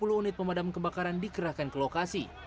dua puluh unit pemadam kebakaran dikerahkan ke lokasi